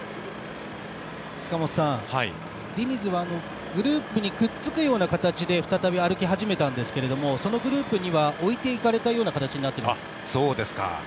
塚本さん、ディニズはグループにくっつくような形で再び歩き始めたんですがそのグループにはおいていかれたような形になっています。